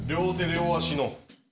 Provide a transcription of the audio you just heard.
両手両足の。